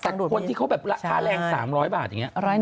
แต่คนที่เขาแบบราคาแรง๓๐๐บาทอย่างนี้